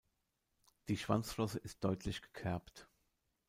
Die Schwanzflosse ist deutlich gekerbt.